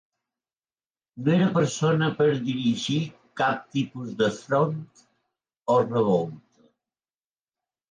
No era persona per dirigir cap tipus de front o revolta.